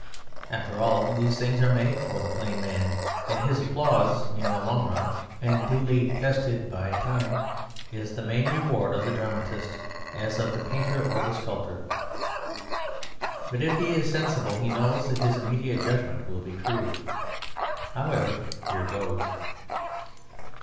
After all, these things are made for the plain man; his applause, in the long run and duly tested by time, is the main reward of the dramatist as of the painter or the sculptor. But if he is sensible he knows that his immediate judgment will be crude. However, here goes.